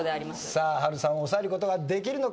さあ波瑠さんを抑えることができるのか。